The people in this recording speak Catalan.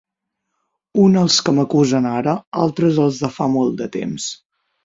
uns els que m'acusen ara, altres els de fa molt de temps.